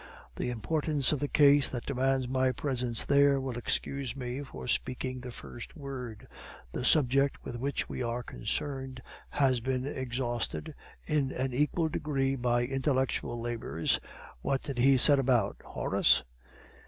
The importance of the case that demands my presence there will excuse me for speaking the first word. The subject with which we are concerned has been exhausted in an equal degree by intellectual labors what did he set about, Horace?"